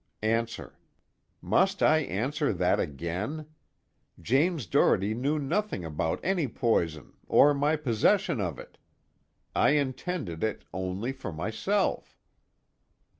ANSWER: Must I answer that again? James Doherty knew nothing about any poison, or my possession of it. I intended it only for myself.